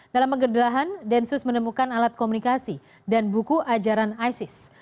dalam penggedelahan densus menemukan alat komunikasi dan buku ajaran isis